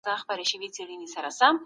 که مطالعه وي، نو ټولنه به له بدويته ووځي.